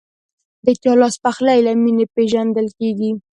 د چا لاسپخلی له مینې پیژندل کېږي.